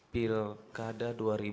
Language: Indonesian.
pil kada dua ribu delapan belas